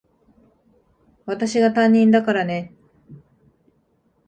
私が担任だからね。